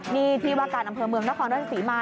นี่ที่วากาศอำเภอเมืองนัคคลราชสีมา